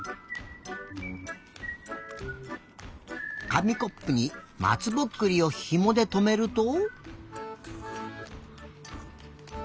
かみコップにまつぼっくりをひもでとめると。